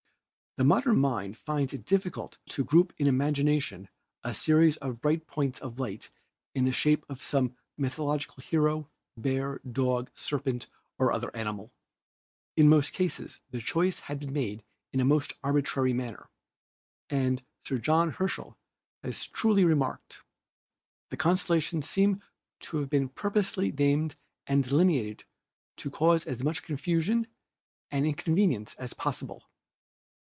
The modern mind finds it difficult to group in imagination a series of bright points of light in the shape of some mythological hero, bear, dog, serpent or other animal. In most cases the choice had been made in a most arbitrary manner, and Sir John Herschel has truly remarked : "The constellations seem to have been purposely named and delineated to cause as much confusion and in convenience as possible.